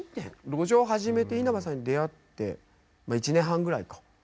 路上始めて稲葉さんに出会って１年半ぐらいか。